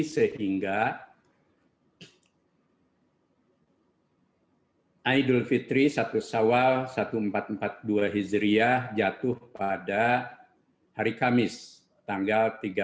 sehingga muhammadiyah akan berada di rumah masing masing